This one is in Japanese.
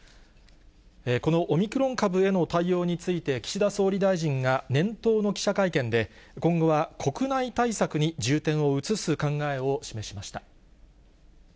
このオミクロン株への対応について、岸田総理大臣が年頭の記者会見で、今後は国内対策に重点を移す考えを示しました。